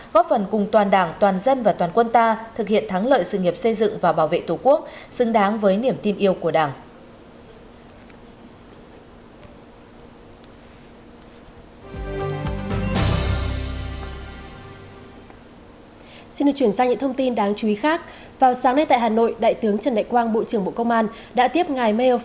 góp phần cùng toàn đảng toàn dân và toàn quân ta thực hiện thắng lợi sự nghiệp xây dựng và bảo vệ tổ quốc xứng đáng với niềm tin yêu của đảng